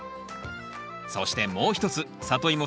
そしてもう一つサトイモ